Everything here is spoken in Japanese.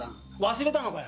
忘れたのかよ。